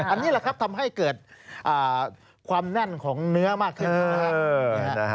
อันนี้แหละครับทำให้เกิดความแน่นของเนื้อมากขึ้นนะครับ